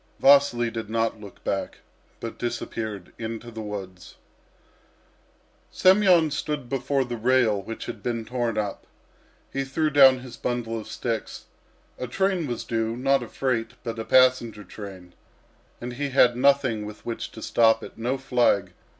Vasily did not look back, but disappeared into the woods. Semyon stood before the rail which had been torn up. He threw down his bundle of sticks. A train was due; not a freight, but a passenger train. And he had nothing with which to stop it, no flag.